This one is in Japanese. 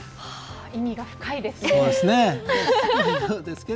意味が深いですね。